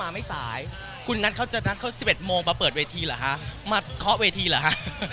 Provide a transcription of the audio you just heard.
มาก่อน๑ชั่วโมงก็ได้นะฮะ